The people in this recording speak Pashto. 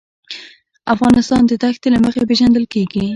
افغانستان د دښتې له مخې پېژندل کېږي.